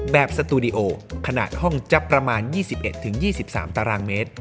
สตูดิโอขนาดห้องจับประมาณ๒๑๒๓ตารางเมตร